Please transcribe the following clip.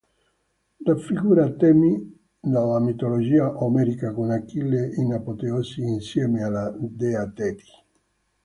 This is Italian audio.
Raffigura temi della mitologia omerica, con Achille in apoteosi insieme alla dea Teti.